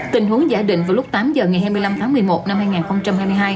tình huống giả định vào lúc tám giờ ngày hai mươi năm tháng một mươi một năm hai nghìn hai mươi hai